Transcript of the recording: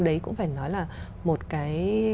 đấy cũng phải nói là một cái